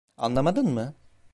Anlamadın mı?